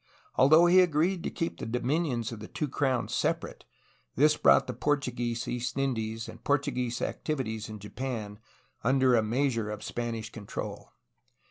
Though he agreed to keep the dominions of the two crowns separate, this brought the Portuguese East Indies andPortuguese activities in Japan under a measure of Spanish control.